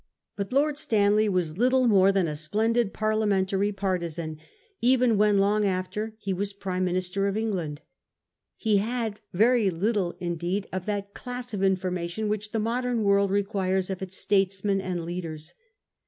But Lord Stanley was little more than a splendid Parliamentary partisan, even when, long after, he was Prime Min ister of England. He had very little indeed of that class of information which the modern world requires of its statesmen and leaders.